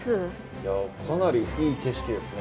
いやかなりいい景色ですね